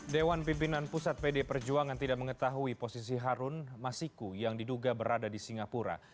dewan pimpinan pusat pd perjuangan tidak mengetahui posisi harun masiku yang diduga berada di singapura